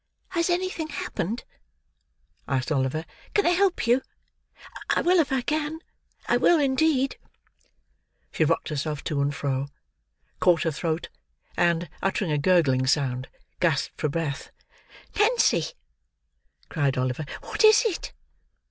"Has anything happened?" asked Oliver. "Can I help you? I will if I can. I will, indeed." She rocked herself to and fro; caught her throat; and, uttering a gurgling sound, gasped for breath. "Nancy!" cried Oliver, "What is it?"